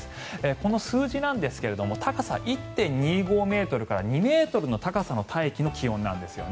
この数字なんですが高さ１．２５ｍから２ｍの高さの大気の気温なんですね。